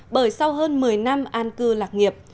bởi sau hơn một mươi năm an cư lạc nghiệp